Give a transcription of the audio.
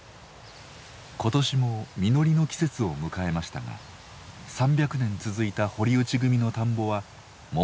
今年も実りの季節を迎えましたが３００年続いた堀内組の田んぼはもうありません。